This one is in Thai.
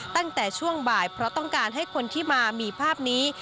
ตั้งแต่ช่วงบ่ายเพราะต้องการให้คนที่มามีภาพนี้